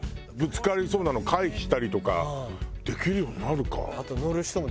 ぶつかりそうなの回避したりとかできるようになるか。